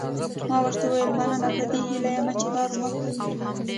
ما ورته وویل مننه په دې هیله یم چې دا مځکه وي.